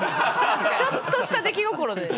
ちょっとした出来心で。